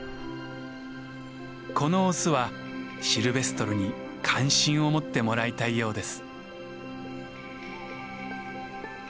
このオスはシルベストルに関心を持ってもらいたいようです。